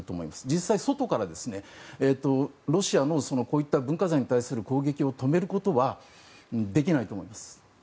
実際に外からロシアのこういった文化財に対する攻撃を止めることはできないと思います。